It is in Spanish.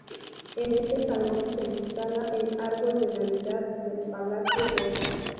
En este Salón se instala el Árbol de Navidad del Palacio Real.